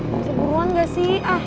masa buruan ga sih